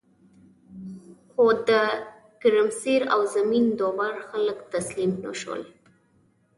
خو د ګرمسیر او زمین داور خلک تسلیم نشول.